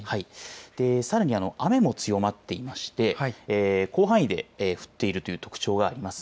さらに、雨も強まっていまして広範囲で降っているという特徴があります。